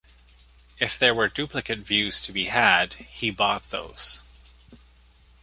If there were duplicate views to be had, he bought those.